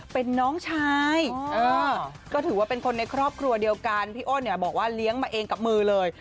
เป็นน้องชายก็ถือว่าเป็นคนในครอบครัวเดียวกันพี่อ้นเนี่ยบอกว่าเลี้ยงมาเองกับมือเลย